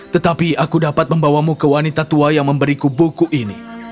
tetapi aku dapat membawamu ke wanita tua yang memberiku buku ini